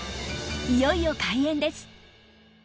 いよいよ開演です。